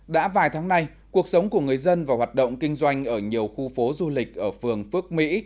đã vài tháng nay cuộc sống của người dân và hoạt động kinh doanh ở nhiều khu phố du lịch ở phường phước mỹ